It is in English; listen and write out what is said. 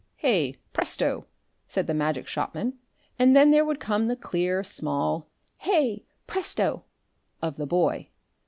"Hey, presto!" said the Magic Shopman, and then would come the clear, small "Hey, presto!" of the boy.